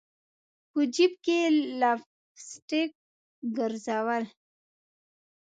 په جیب کي لپ سټک ګرزول